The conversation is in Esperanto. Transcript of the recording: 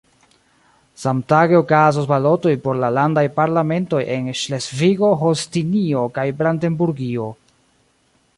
Samtage okazos balotoj por la landaj parlamentoj en Ŝlesvigo-Holstinio kaj Brandenburgio.